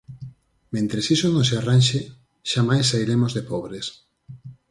Mentres iso non se arranxe, xamais sairemos de pobres.